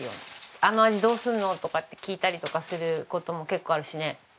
「あの味どうするの？」とかって聞いたりとかする事も結構あるしね。